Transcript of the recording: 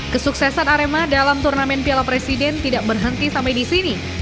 kesuksesan arema dalam turnamen piala presiden tidak berhenti sampai di sini